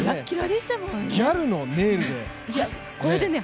ギャルのネイルで。